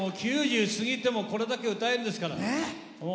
９０過ぎてもこれだけ歌えるんですから。